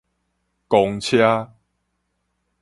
公車